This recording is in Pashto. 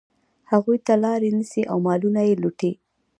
هغوی ته لاري نیسي او مالونه یې لوټي.